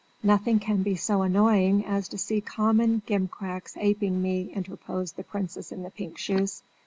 "Nothing can be so annoying as to see common gimcracks aping me," interposed the princess in the pink shoes.